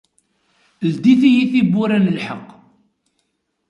Ldit-iyi tiwwura n lḥeqq.